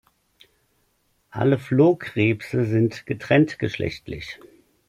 Alle Flohkrebse sind getrenntgeschlechtlich.